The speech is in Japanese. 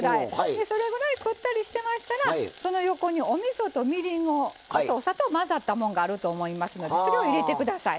でそれぐらいくったりしてましたらその横におみそとみりんとお砂糖混ざったもんがあると思いますのでそれを入れて下さい。